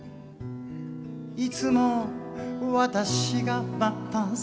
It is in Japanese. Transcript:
「いつも私が待たされた」